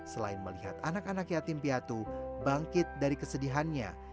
selain melihat anak anak yatim piatu bangkit dari kesedihannya